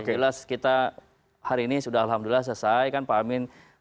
jelas kita hari ini sudah alhamdulillah selesai kan pak amin